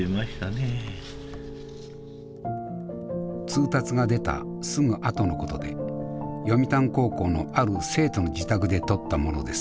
通達が出たすぐあとのことで読谷高校のある生徒の自宅で撮ったものです。